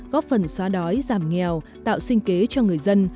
góp phần xóa đói giảm nghèo tạo sinh kế cho người dân